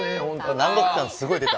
南国感すごい出た。